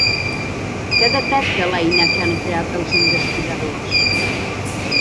Què detecta l'eina que han creat els investigadors?